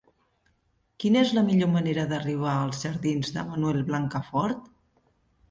Quina és la millor manera d'arribar als jardins de Manuel Blancafort?